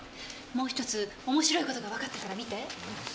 もう１つ面白い事がわかったから見て。